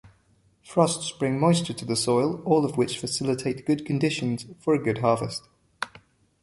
Frosts bring moisture to the soil, all of which will facilitate good conditions for a good harvest.